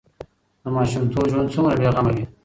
د ماشومتوب ژوند څومره بې غمه وي.